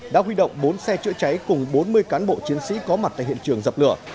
đã huy động bốn xe chữa cháy cùng bốn mươi cán bộ chiến sĩ có mặt tại hiện trường dập lửa